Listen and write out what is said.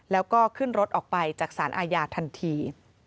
แล้วก็ขึ้นรถออกไปจากสารอาญาทันที